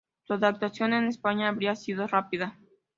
Su adaptación en España habría sido rápida.